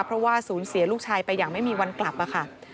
เพราะว่าสูญเสียลูกชายไปอย่างไม่มีวันกลับค่ะ